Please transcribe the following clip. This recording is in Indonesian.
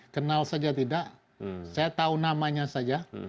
kenal saja tidak saya tahu namanya saja